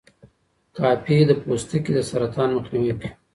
کافي د پوستکي د سرطان مخنیوی کوي.